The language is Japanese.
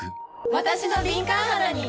わたしの敏感肌に！